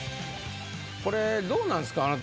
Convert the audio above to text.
これどうなんですか？